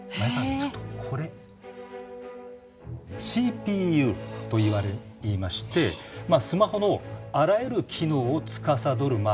ちょっとこれＣＰＵといいましてスマホのあらゆる機能をつかさどるまあ